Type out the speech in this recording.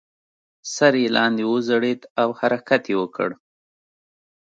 سر یې لاندې وځړید او حرکت یې وکړ.